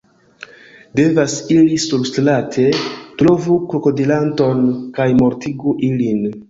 Devas iri surstrate, trovu krokodilanton kaj mortigu ilin